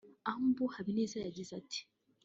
Amb Habineza yagize ati